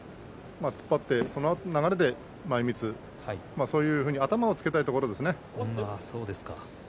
突っ張ってそのあとその流れで前みつそういうふうに頭をつけたいところですね。